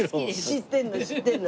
知ってるの知ってるの。